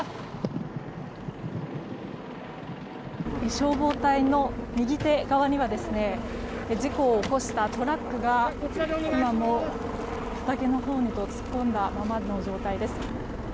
消防隊の右手側には事故を起こしたトラックが今も畑のほうへと突っ込んだままの状態です。